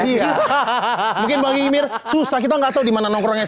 lebih ke operasi tangkap tangan ya lebih ke operasi tangkap tangan ya lebih ke operasi tangkap tangan ya